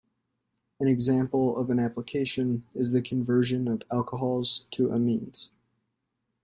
An example of an application is the conversion of alcohols to amines.